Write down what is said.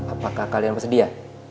apakah kalian bersedia